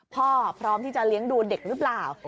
พร้อมที่จะเลี้ยงดูเด็กหรือเปล่า